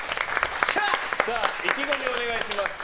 意気込みをお願いします。